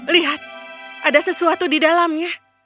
lihat ada sesuatu di dalamnya